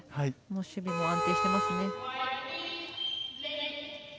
守備も安定していますね。